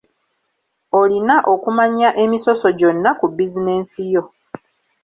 Olina okumanya emisoso gyonna ku bizinensi yo.